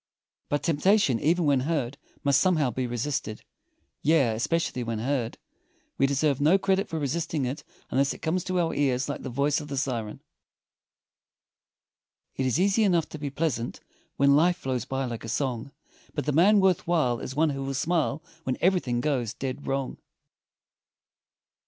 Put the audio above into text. But temptation, even when heard, must somehow be resisted. Yea, especially when heard! We deserve no credit for resisting it unless it comes to our ears like the voice of the siren. It is easy enough to be pleasant, When life flows by like a song, But the man worth while is one who will smile, When everything goes dead wrong.